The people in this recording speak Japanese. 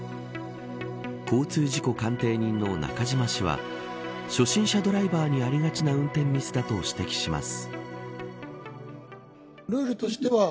交通事故鑑定人の中島氏は初心者ドライバーにありがちな運転ミスだと指摘します。